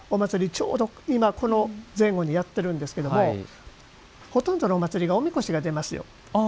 ちょうど今、この前後にやっているんですけどもほとんどのお祭りでおみこしが出ますよ。